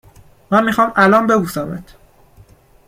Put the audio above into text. من می خوام الان ببوسمت